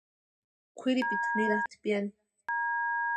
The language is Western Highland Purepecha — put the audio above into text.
Kwʼiripita niratʼi piani.